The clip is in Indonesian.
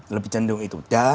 lebih jendung itu